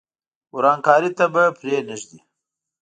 ورانکاري ته به پرې نه ږدي.